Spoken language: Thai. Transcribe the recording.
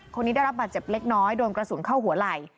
คนนี้ได้รับบาดเจ็บเล็กน้อยโดนกระสุนเข้าหัวไหล่